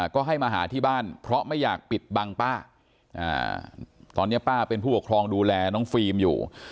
ก็ให้มาหาที่บ้านเพราะไม่อยากปิดบังป้าตอนนี้ป้าเป็นผู้ปกครองดูแลน้องฟิล์มอยู่